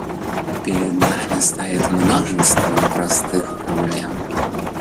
Перед нами стоит множество непростых проблем.